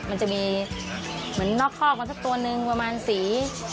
มันจะมีเหมือนนอกคอกมาสักตัวนึงประมาณสี